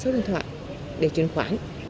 và số điện thoại để truyền khoản